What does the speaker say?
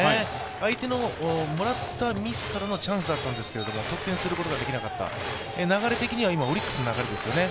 相手のもらったミスからのチャンスだったんですけれども、得点することができなかった、流れ的には今オリックスの流れですよね。